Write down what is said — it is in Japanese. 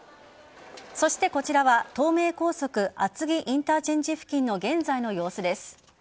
そしてこちらは東名高速厚木インターチェンジ付近の現在の様子です。